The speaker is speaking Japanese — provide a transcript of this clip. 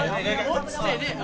落ちてねえ！